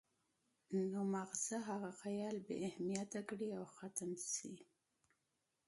نو مازغۀ هغه خيال بې اهميته کړي او ختم شي